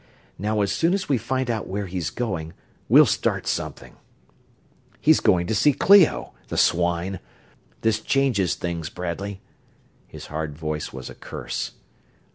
"Now as soon as we find out where he's going, we'll start something ... he's going to see Clio, the swine! This changes things, Bradley!" His hard voice was a curse.